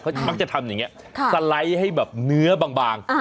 เขามักจะทำอย่างนี้สไลด์ให้แบบเนื้อบาง